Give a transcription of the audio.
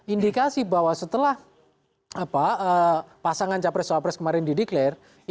indikasi bahwa setelah pasangan capres capres kemarin dideklarasi